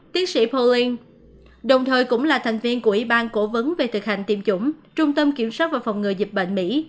tiến sĩ poween đồng thời cũng là thành viên của ủy ban cổ vấn về thực hành tiêm chủng trung tâm kiểm soát và phòng ngừa dịch bệnh mỹ